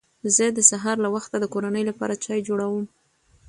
زه د سهار له وخته د کورنۍ لپاره چای جوړوم